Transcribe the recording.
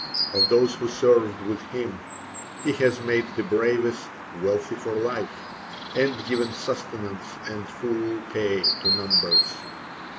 Of those who served with him he has made the bravest wealthy for life, and given sustenance and full pay to numbers.